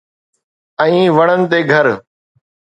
۽ وڻن تي گھر